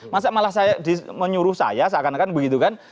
masa malah saya menyuruh saya seakan akan begitu kan